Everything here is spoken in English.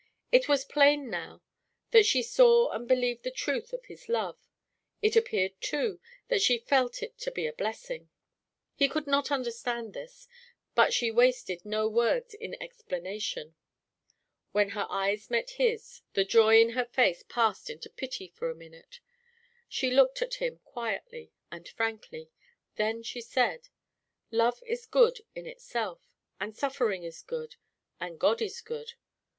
It was plain that now she saw and believed the truth of his love; it appeared, too, that she felt it to be a blessing. He could not understand this, but she wasted no words in explanation. When her eyes met his, the joy in her face passed into pity for a minute; she looked at him quietly and frankly; then she said: "Love is good in itself, and suffering is good, and God is good.